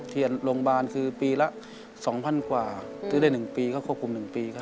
เทียนโรงพยาบาลคือปีละ๒๐๐๐กว่าซื้อได้๑ปีก็ควบคุม๑ปีครับ